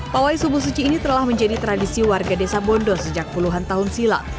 pawai subuh suci ini telah menjadi tradisi warga desa bondo sejak puluhan tahun silam